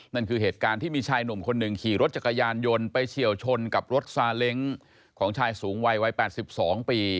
นั่นคือเหตุการณ์ที่มีชายหนุ่มคนหนึ่งขี่รถจักรยานยนต์ไปเฉียวชนกับรถซาเล้งของชายสูงวัยวัย๘๒ปี